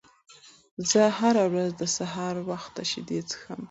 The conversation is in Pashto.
زه هره ورځ د سهار وخت شیدې څښم.